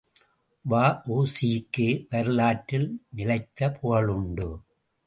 வ.உ.சி.க்கு வரலாற்றில் நிலைத்த புகழுண்டு.